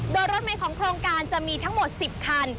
โดยรถเมย์ของโครงการจะมีทั้งหมด๑๐คัน